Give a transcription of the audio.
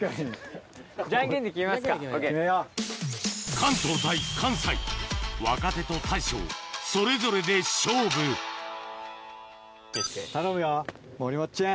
関東対関西若手と大将それぞれで勝負頼むよもりもっちゃん。